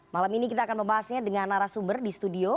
malam ini kita akan membahasnya dengan narasumber di studio